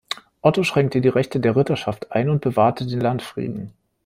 Otto schränkte die Rechte der Ritterschaft ein und bewahrte den Landfrieden.